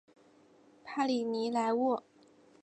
帕里尼莱沃。